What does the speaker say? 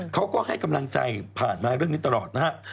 เขาก็ให้กำลังใจผ่านมาเรื่องนี้ตลอดนะฮะ